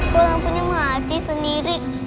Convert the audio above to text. kok lampunya mati sendiri